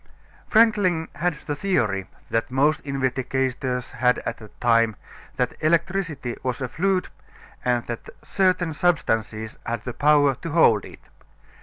Franklin had the theory that most investigators had at that time, that electricity was a fluid and that certain substances had the power to hold it.